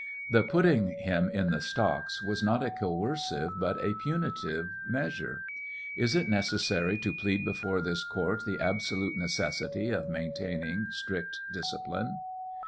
The put ting him in the stocks was not a coercive but a punitive measure. Is it iieces sary to plead before this court the absolute necessity of maintaining strict die cipline